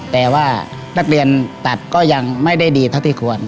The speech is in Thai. แต่ว่านักเรียนตัดก็ยังไม่ได้ดีเท่าที่ควร